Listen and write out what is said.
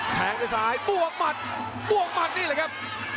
แพงไปซ้ายบวกมัดบวกมัดนี่เลยครับ